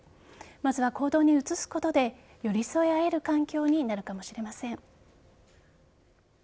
まずは行動に移すことで寄り添え合える環境になるかもしれません。